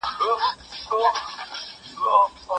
نه زمریو نه پړانګانو سوای نیولای